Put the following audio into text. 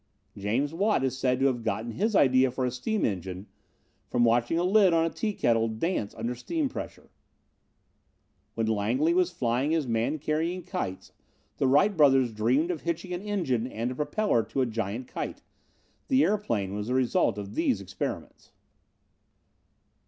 "James Watt is said to have gotten his idea for a steam engine from watching a lid on a tea kettle dance under steam pressure. "When Langley was flying his man carrying kites the Wright brothers dreamed of hitching an engine and a propeller to a giant kite. The airplane was the result of these experiments.